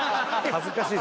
恥ずかしい。